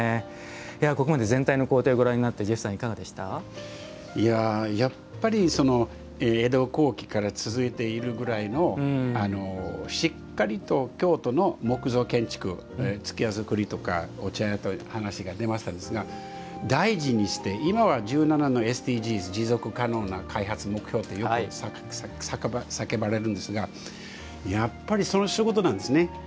ここまで全体の工程ご欄になってやっぱり、江戸後期から続いているぐらいのしっかりと京都の木造建築数寄屋造りとかお茶屋という話が出ましたが大事にして、今は１７のＳＤＧｓ持続可能な開発目標と叫ばれるんですがやっぱりその仕事なんですね。